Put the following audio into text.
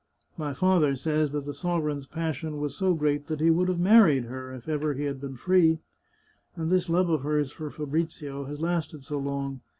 My father says that the sovereign's passion was so great that he would have married her if ever he had been free. And this love of hers for Fabrizio has lasted so long.